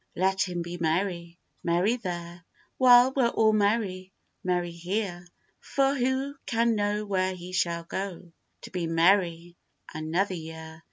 Cho. Let him be merry, merry there, While we're all merry, merry here, For who can know where he shall go, To be merry another year.